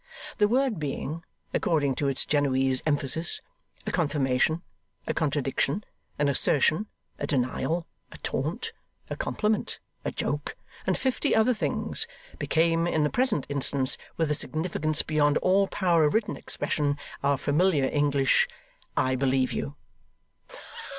The word being, according to its Genoese emphasis, a confirmation, a contradiction, an assertion, a denial, a taunt, a compliment, a joke, and fifty other things, became in the present instance, with a significance beyond all power of written expression, our familiar English 'I believe you!